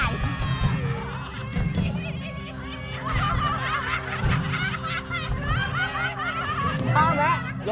ลดแล้วเนี่ย